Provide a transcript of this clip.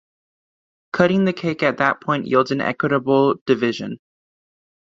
Cutting the cake at that point yields an equitable division.